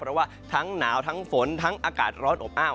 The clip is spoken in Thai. เพราะว่าทั้งหนาวทั้งฝนทั้งอากาศร้อนอบอ้าว